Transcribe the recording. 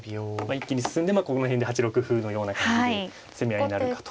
一気に進んでここの辺で８六歩のような感じで攻め合いになるかと。